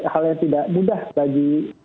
hal yang tidak mudah bagi